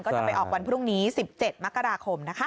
ก็จะไปออกวันพรุ่งนี้๑๗มกราคมนะคะ